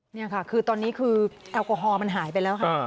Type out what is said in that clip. นี่ค่ะคือตอนนี้คือแอลกอฮอลมันหายไปแล้วค่ะ